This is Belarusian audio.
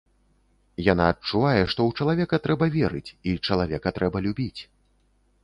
Яна адчувае, што ў чалавека трэба верыць і чалавека трэба любіць.